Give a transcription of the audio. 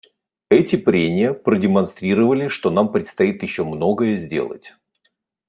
Эти прения продемонстрировали, что нам предстоит еще многое сделать.